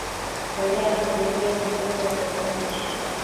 mbolea husaidia kukuza viazi lishe